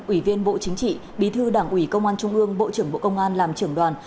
ủy viên bộ chính trị bí thư đảng ủy công an trung ương bộ trưởng bộ công an làm trưởng đoàn